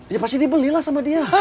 ya pasti dibeli lah sama dia